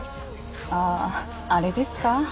あぁあれですか？